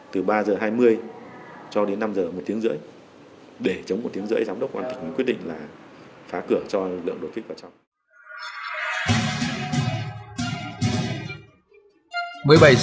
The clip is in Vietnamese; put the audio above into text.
từ ba h hai mươi cho đến năm h một tiếng rưỡi để chống một tiếng rưỡi giám đốc quân an tỉnh quyết định là phá cửa cho lượng đột kích vào trong